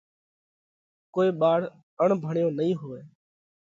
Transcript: ڪوئي ٻاۯ اڻڀڻيو نئين هوئہ۔